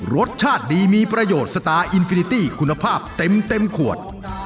รสชาติดีมีประโยชน์สตาร์อินฟินิตี้คุณภาพเต็มขวด